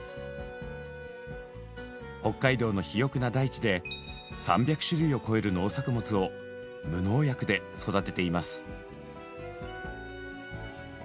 北海道の肥沃な大地で３００種類を超える農作物を無農薬で育てています。